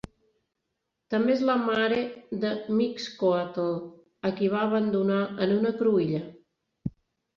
També és la mare de Mixcoatl, a qui va abandonar en una cruïlla.